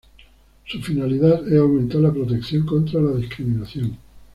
Su finalidad es aumentar la protección contra la discriminación.